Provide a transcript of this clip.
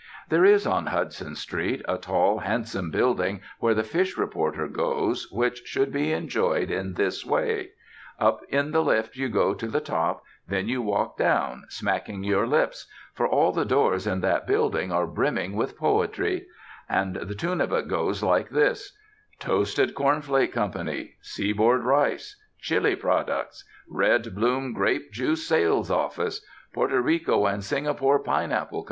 There is on Hudson Street a tall handsome building where the fish reporter goes, which should be enjoyed in this way: Up in the lift you go to the top, and then you walk down, smacking your lips. For all the doors in that building are brimming with poetry. And the tune of it goes like this: "Toasted Corn Flake Co.," "Seaboard Rice," "Chili Products," "Red Bloom Grape Juice Sales Office," "Porto Rico and Singapore Pineapple Co.